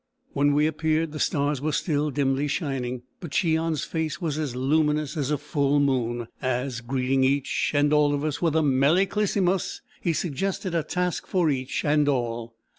When we appeared the stars were still dimly shining, but Cheon's face was as luminous as a full moon, as, greeting each and all of us with a "Melly Clisymus," he suggested a task for each and all.